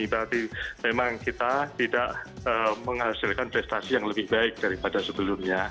berarti memang kita tidak menghasilkan prestasi yang lebih baik daripada sebelumnya